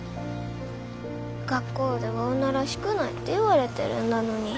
学校では女らしくないって言われてるんだのに。